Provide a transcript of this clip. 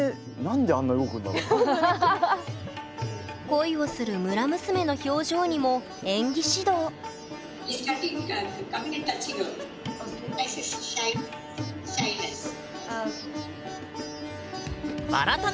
恋をする村娘の表情にも演技指導バラタ